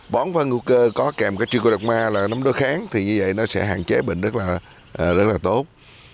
bón của hưu cơ có kèm trichrodachma đó là nó nấm đối kháng thì như vậy nó sẽ hàn chế bệnh rất là tốt